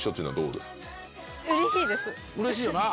うれしいよな！